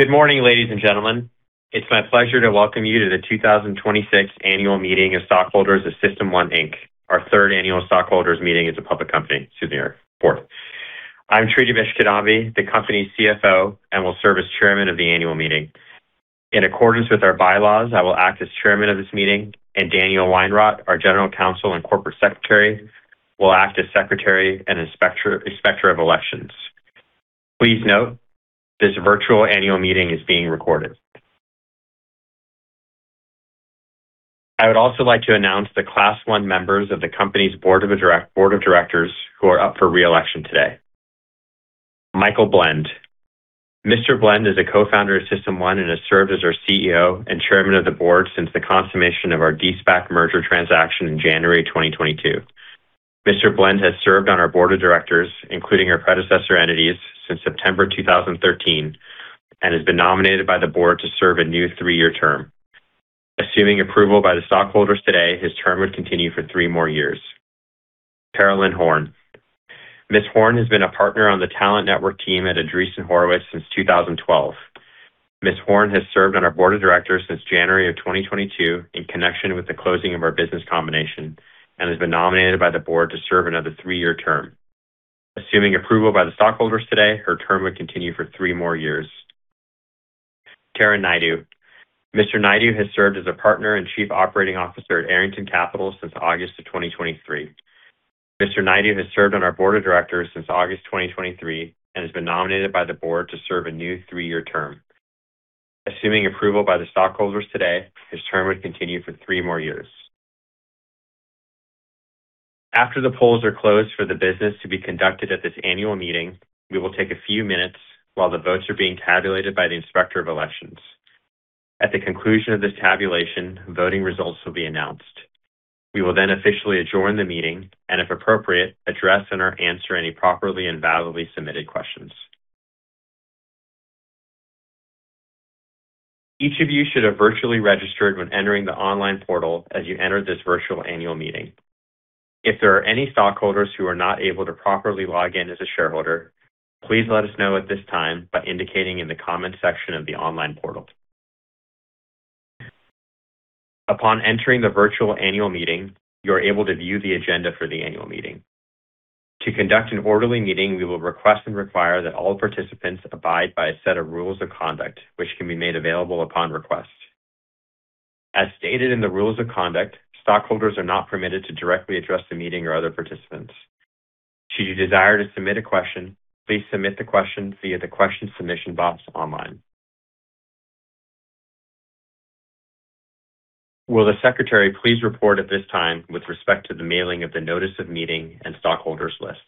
Good morning, ladies and gentlemen. It's my pleasure to welcome you to the 2026 Annual Meeting of Stockholders of System1, Inc., our third annual stockholders meeting as a public company, excuse me, fourth. I'm Tridivesh Kidambi, the company's Chief Financial Officer, and will serve as chairman of the annual meeting. In accordance with our bylaws, I will act as chairman of this meeting, and Daniel Weinrot, our General Counsel and Corporate Secretary, will act as Secretary and Inspector of Elections. Please note, this virtual annual meeting is being recorded. I would also like to announce the Class I members of the company's board of directors who are up for re-election today. Michael Blend. Mr. Blend is a co-founder of System1 and has served as our Chief Executive Officer and chairman of the board since the consummation of our de-SPAC merger transaction in January 2022. Mr. Blend has served on our board of directors, including our predecessor entities, since September 2013 and has been nominated by the board to serve a new three-year term. Assuming approval by the stockholders today, his term would continue for three more years. Caroline Horn. Ms. Horn has been a partner on the talent network team at Andreessen Horowitz since 2012. Ms. Horn has served on our board of directors since January of 2022 in connection with the closing of our business combination and has been nominated by the board to serve another three-year term. Assuming approval by the stockholders today, her term would continue for three more years. Taryn Naidu. Mr. Naidu has served as a partner and chief operating officer at Arrington Capital since August of 2023. Mr. Naidu has served on our board of directors since August 2023 and has been nominated by the board to serve a new three-year term. Assuming approval by the stockholders today, his term would continue for three more years. After the polls are closed for the business to be conducted at this annual meeting, we will take a few minutes while the votes are being tabulated by the Inspector of Elections. At the conclusion of this tabulation, voting results will be announced. We will officially adjourn the meeting, and if appropriate, address and/or answer any properly and validly submitted questions. Each of you should have virtually registered when entering the online portal as you entered this virtual annual meeting. If there are any stockholders who are not able to properly log in as a shareholder, please let us know at this time by indicating in the comment section of the online portal. Upon entering the virtual annual meeting, you are able to view the agenda for the annual meeting. To conduct an orderly meeting, we will request and require that all participants abide by a set of rules of conduct, which can be made available upon request. As stated in the rules of conduct, stockholders are not permitted to directly address the meeting or other participants. Should you desire to submit a question, please submit the question via the question submission box online. Will the secretary please report at this time with respect to the mailing of the notice of meeting and stockholders list?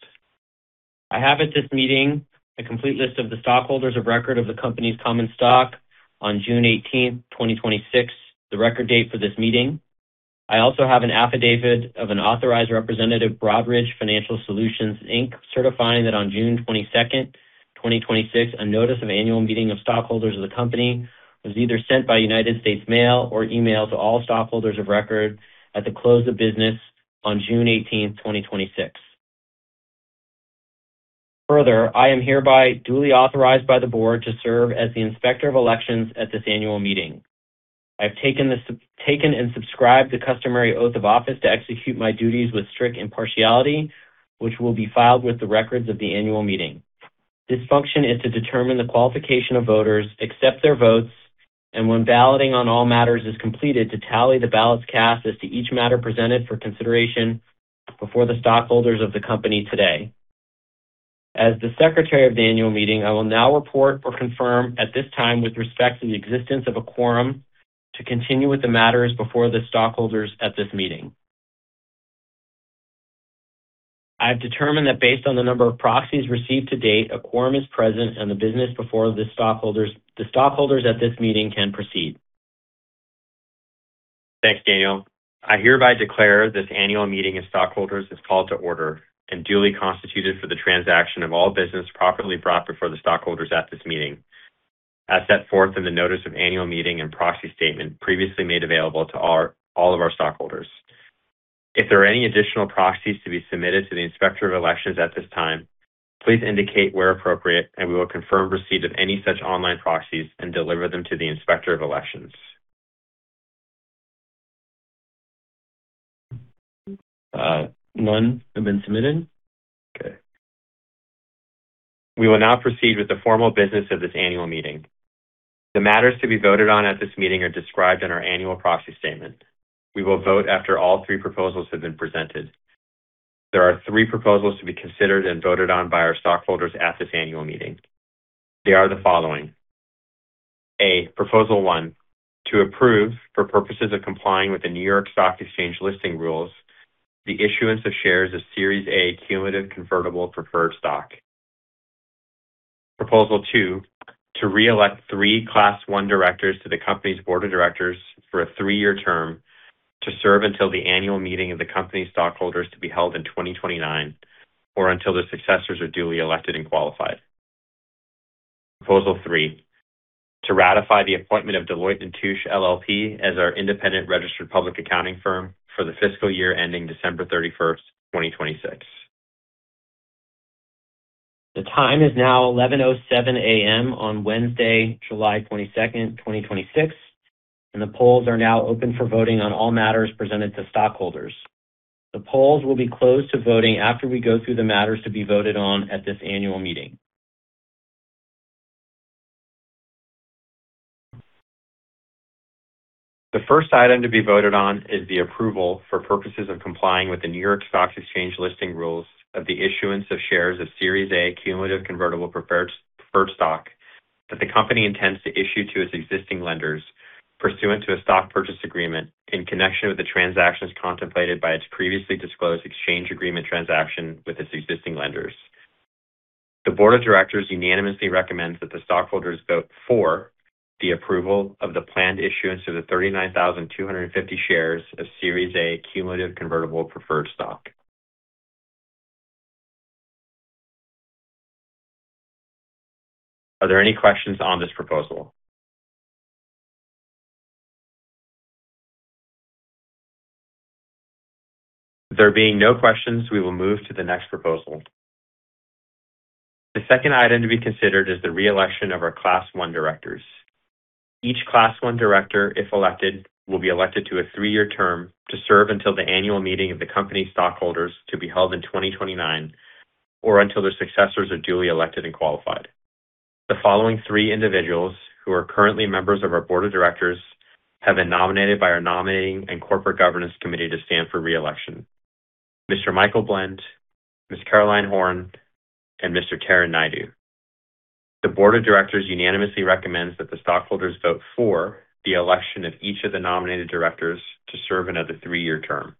I have at this meeting a complete list of the stockholders of record of the company's common stock on June 18th, 2026, the record date for this meeting. I also have an affidavit of an authorized representative, Broadridge Financial Solutions, Inc., certifying that on June 22nd, 2026, a notice of annual meeting of stockholders of the company was either sent by United States Mail or email to all stockholders of record at the close of business on June 18th, 2026. Further, I am hereby duly authorized by the board to serve as the Inspector of Elections at this annual meeting. I've taken and subscribed the customary oath of office to execute my duties with strict impartiality, which will be filed with the records of the annual meeting. This function is to determine the qualification of voters, accept their votes, and when balloting on all matters is completed, to tally the ballots cast as to each matter presented for consideration before the stockholders of the company today. As the secretary of the annual meeting, I will now report or confirm at this time with respect to the existence of a quorum to continue with the matters before the stockholders at this meeting. I have determined that based on the number of proxies received to date, a quorum is present and the business before the stockholders at this meeting can proceed. Thanks, Daniel. I hereby declare this annual meeting of stockholders is called to order and duly constituted for the transaction of all business properly brought before the stockholders at this meeting, as set forth in the notice of annual meeting and proxy statement previously made available to all of our stockholders. If there are any additional proxies to be submitted to the Inspector of Elections at this time, please indicate where appropriate, and we will confirm receipt of any such online proxies and deliver them to the Inspector of Elections. None have been submitted. Okay. We will now proceed with the formal business of this annual meeting. The matters to be voted on at this meeting are described in our annual proxy statement. We will vote after all three proposals have been presented. There are three proposals to be considered and voted on by our stockholders at this annual meeting. They are the following. A, Proposal 1, to approve, for purposes of complying with the New York Stock Exchange listing rules, the issuance of shares of Series A cumulative convertible preferred stock. Proposal 2, to re-elect three Class I directors to the company's board of directors for a three-year term to serve until the annual meeting of the company's stockholders to be held in 2029 or until their successors are duly elected and qualified. Proposal 3, to ratify the appointment of Deloitte & Touche LLP as our independent registered public accounting firm for the fiscal year ending December 31st, 2026. The time is now 11:07 A.M. on Wednesday, July 22nd, 2026, the polls are now open for voting on all matters presented to stockholders. The polls will be closed to voting after we go through the matters to be voted on at this annual meeting. The first item to be voted on is the approval for purposes of complying with the New York Stock Exchange listing rules of the issuance of shares of Series A cumulative convertible preferred stock that the company intends to issue to its existing lenders pursuant to a stock purchase agreement in connection with the transactions contemplated by its previously disclosed exchange agreement transaction with its existing lenders. The board of directors unanimously recommends that the stockholders vote for the approval of the planned issuance of the 39,250 shares of Series A cumulative convertible preferred stock. Are there any questions on this proposal? There being no questions, we will move to the next proposal. The second item to be considered is the reelection of our Class I directors. Each Class I director, if elected, will be elected to a three-year term to serve until the annual meeting of the company stockholders to be held in 2029, or until their successors are duly elected and qualified. The following three individuals, who are currently members of our board of directors, have been nominated by our nominating and corporate governance committee to stand for reelection: Mr. Michael Blend, Ms. Caroline Horn, and Mr. Taryn Naidu. The board of directors unanimously recommends that the stockholders vote for the election of each of the nominated directors to serve another three-year term.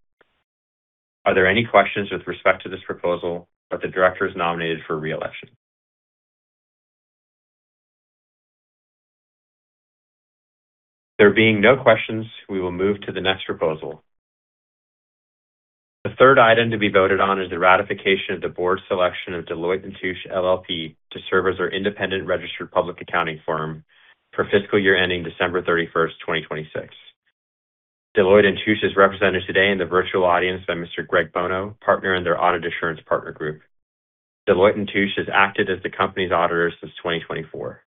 Are there any questions with respect to this proposal of the directors nominated for reelection? There being no questions, we will move to the next proposal. The third item to be voted on is the ratification of the board's selection of Deloitte & Touche LLP to serve as our independent registered public accounting firm for fiscal year ending December 31st, 2026. Deloitte & Touche is represented today in the virtual audience by Mr. Greg Bono, partner in their audit assurance partner group. Deloitte & Touche has acted as the company's auditor since 2024.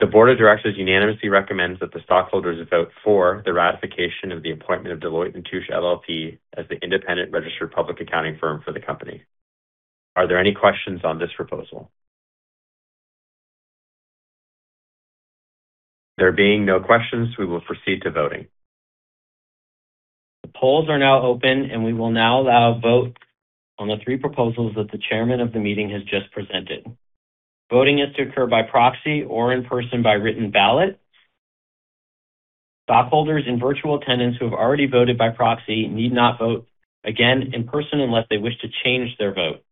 The board of directors unanimously recommends that the stockholders vote for the ratification of the appointment of Deloitte & Touche LLP as the independent registered public accounting firm for the company. Are there any questions on this proposal? There being no questions, we will proceed to voting. The polls are now open, and we will now allow a vote on the three proposals that the chairman of the meeting has just presented. Voting is to occur by proxy or in person by written ballot. Stockholders in virtual attendance who have already voted by proxy need not vote again in person unless they wish to change their vote.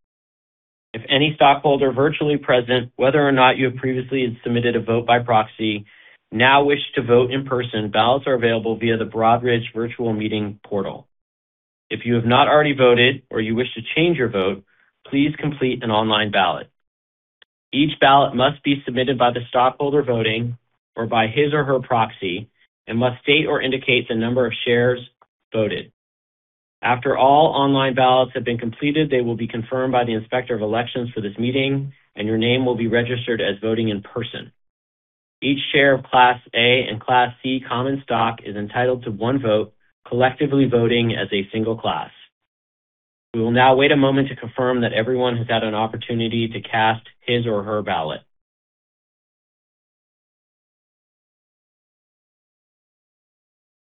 If any stockholder virtually present, whether or not you have previously submitted a vote by proxy, now wish to vote in person, ballots are available via the Broadridge Virtual Shareholder Meeting. If you have not already voted or you wish to change your vote, please complete an online ballot. Each ballot must be submitted by the stockholder voting or by his or her proxy and must state or indicate the number of shares voted. After all online ballots have been completed, they will be confirmed by the Inspector of Elections for this meeting, and your name will be registered as voting in person. Each share of Class A and Class C common stock is entitled to one vote, collectively voting as a single class. We will now wait a moment to confirm that everyone has had an opportunity to cast his or her ballot.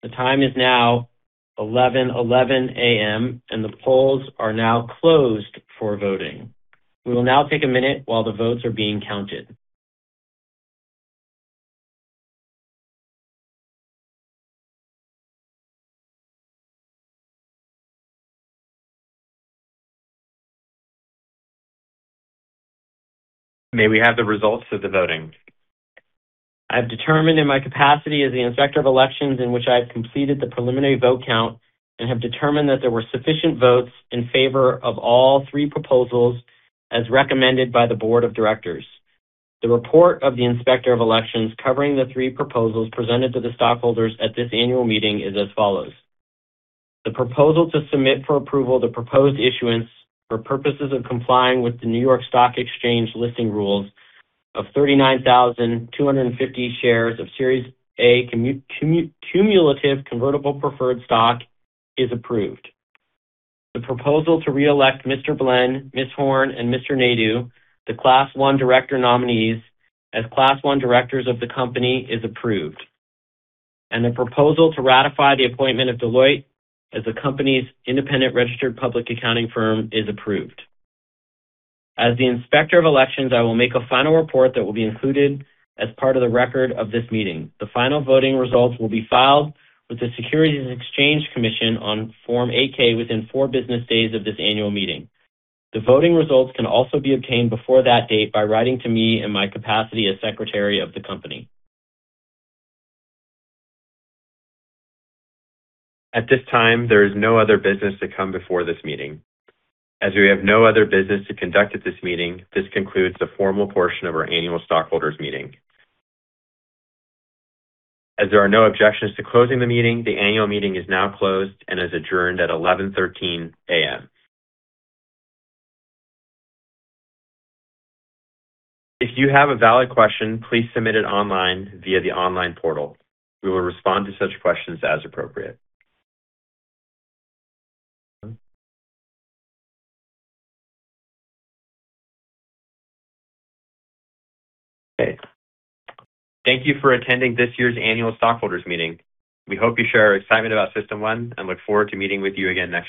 The time is now 11:11 A.M., and the polls are now closed for voting. We will now take a minute while the votes are being counted. May we have the results of the voting? I have determined in my capacity as the Inspector of Elections in which I have completed the preliminary vote count and have determined that there were sufficient votes in favor of all three proposals as recommended by the board of directors. The report of the Inspector of Elections covering the three proposals presented to the stockholders at this annual meeting is as follows: The proposal to submit for approval the proposed issuance for purposes of complying with the New York Stock Exchange listing rules of 39,250 shares of Series A cumulative convertible preferred stock is approved. The proposal to reelect Mr. Blend, Ms. Horn, and Mr. Naidu, the Class I director nominees, as Class I directors of the company is approved. The proposal to ratify the appointment of Deloitte as the company's independent registered public accounting firm is approved. As the Inspector of Elections, I will make a final report that will be included as part of the record of this meeting. The final voting results will be filed with the Securities and Exchange Commission on Form 8-K within four business days of this annual meeting. The voting results can also be obtained before that date by writing to me in my capacity as Secretary of the Company. At this time, there is no other business to come before this meeting. As we have no other business to conduct at this meeting, this concludes the formal portion of our annual stockholders meeting. As there are no objections to closing the meeting, the annual meeting is now closed and is adjourned at 11:13 A.M. If you have a valid question, please submit it online via the online portal. We will respond to such questions as appropriate. Okay. Thank you for attending this year's annual stockholders meeting. We hope you share our excitement about System1 and look forward to meeting with you again next year.